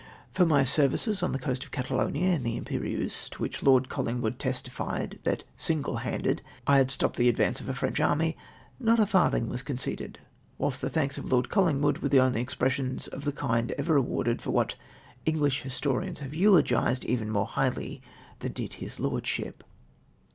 For my services on tlie coast of Catalonia in the Im]?erieusL\ to wliich Lord Collingwood testi fied that, single handed, I had sto})ped the advance of a French army, not a farthing was conceded, whilst the thanks of Lord CV)llingwood were the only ex pressions of the kind ever awarded for what Enghsli historians have eulogised even more highly than did his Lordship.